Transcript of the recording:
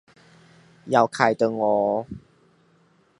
要開燈喔